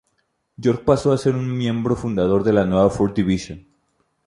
York pasó a ser miembro fundador de la nueva Fourth Division.